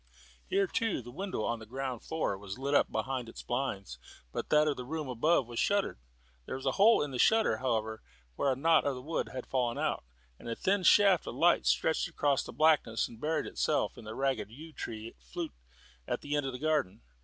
Here, too, the window on the ground floor was lit up behind its blinds, but that of the room above was shuttered. There was a hole in the shutter, however, where a knot of the wood had fallen out, and a thin shaft of light stretched across the blackness and buried itself in a ragged yew tree at the end of the garden.